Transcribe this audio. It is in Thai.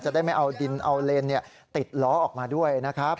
ได้ไม่เอาดินเอาเลนติดล้อออกมาด้วยนะครับ